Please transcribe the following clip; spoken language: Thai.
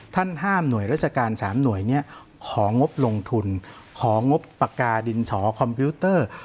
ท่านห้ามหน่วยราชการ๓หน่วยนี้ของงบลงทุนของงบปากกาดินฉอคอมพิวเตอร์